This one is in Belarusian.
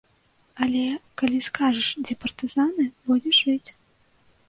Але калі скажаш, дзе партызаны, будзеш жыць.